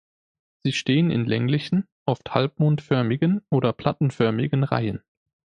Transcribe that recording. Sie stehen in länglichen, oft halbmondförmigen oder plattenförmigen Reihen.